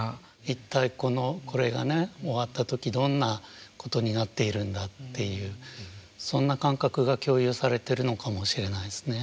一体このこれがね終わった時どんなことになっているんだっていうそんな感覚が共有されてるのかもしれないですね。